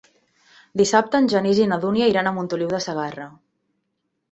Dissabte en Genís i na Dúnia iran a Montoliu de Segarra.